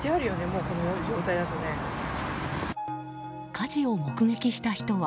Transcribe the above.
火事を目撃した人は。